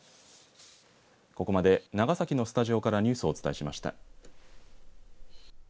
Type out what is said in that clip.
ここまで長崎のスタジオからニュースをお伝えしました。